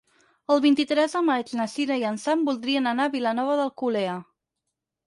El vint-i-tres de maig na Cira i en Sam voldrien anar a Vilanova d'Alcolea.